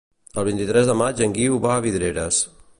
El vint-i-tres de maig en Guiu va a Vidreres.